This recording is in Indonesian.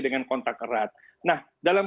dengan kontak erat nah dalam